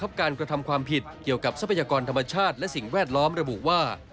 การกระทำความผิดเกี่ยวกับทรัพยากรธรรมชาติและสิ่งแวดล้อมระบุว่า